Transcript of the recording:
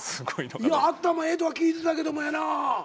頭ええとは聞いてたけどもやな。